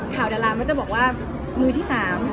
ข่าวดารามันจะบอกว่าหมู่ที่๓